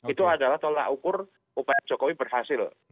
itu adalah tolak ukur upaya jokowi berhasil